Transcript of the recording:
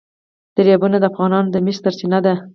دریابونه د افغانانو د معیشت سرچینه ده.